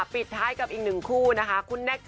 ปิดท้ายกับอีกหนึ่งคู่นะคะ